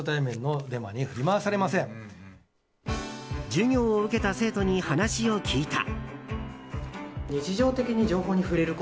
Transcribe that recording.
授業を受けた生徒に話を聞いた。